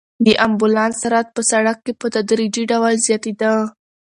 د امبولانس سرعت په سړک کې په تدریجي ډول زیاتېده.